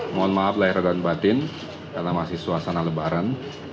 mohon maaf layar dan batin karena masih suasana lebaran